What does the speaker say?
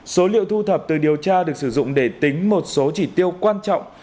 số liệu thu thập từ điều tra được sử dụng để tính một số chỉ tiêu quan trọng